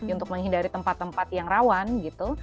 untuk menghindari tempat tempat yang rawan gitu